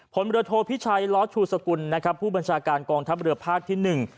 พลเรือโทพิชัยล้อชูสกุลนะครับผู้บัญชาการกองทัพเรือภาคที่หนึ่ง